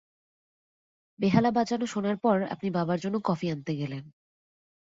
বেহালা বাজানো শোনার পর আপনি বাবার জন্যে কফি আনতে গেলেন।